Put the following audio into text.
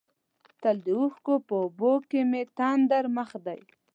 تل د اوښکو په اوبو کې مې تندر مخ دی.